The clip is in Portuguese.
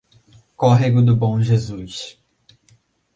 Córrego do Bom Jesus